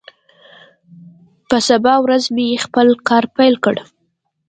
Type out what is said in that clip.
په سبا ورځ مې خپل کار پیل کړ.